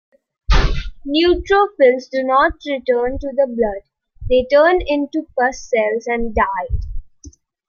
Neutrophils do not return to the blood; they turn into pus cells and die.